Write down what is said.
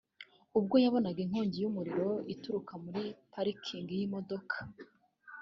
ubwo yabonaga inkongi y’umuriro ituruka muri pariking y’imodoka